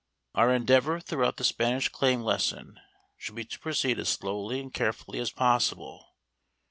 Our endeavor throughout the Spanish claim lesson should be to proceed as slowly and carefully as possible.